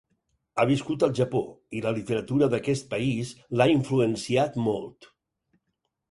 Ha viscut al Japó, i la literatura d'aquest país l'ha influenciat molt.